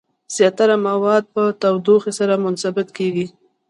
زیاتره مواد په تودوخې سره منبسط کیږي.